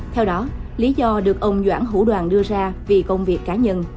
theo đó lý do được ông doãn hữu đoàn đưa ra vì công việc cá nhân